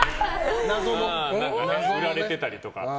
売られてたりとか。